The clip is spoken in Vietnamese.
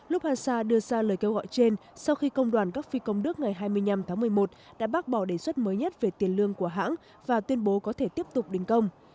lufansa đưa ra lời kêu gọi trên sau khi công đoàn các phi công đức ngày hai mươi năm tháng một mươi một đã bác bỏ đề xuất mới nhất về tiền lương của hãng và tuyên bố có thể tiếp tục đình công